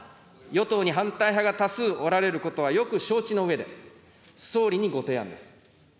与党に反対派が多数おられることはよく承知のうえで、総理にご提案です。